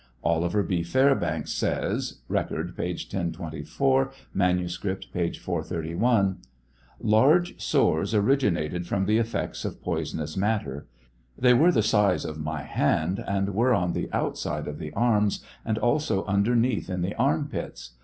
Oliver B. Fairbanks says, (Record, p. 1024 ; manuscript, p. 431.) Large sores originated from the effects of poisonous matter ; they were the size of my hand and were on the outside. of the arms and also underneath in the arm pits.